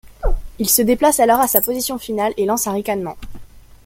Il se déplace alors à sa position finale et lance un ricanement.